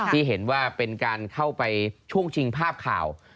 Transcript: ที่เห็นว่าเป็นการเข้าไปช่วงชิงภาพข่าว